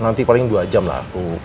nanti paling dua jam lah